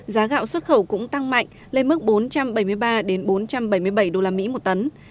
giá gạo xuất khẩu cũng tăng mạnh lên mức bốn trăm linh đồng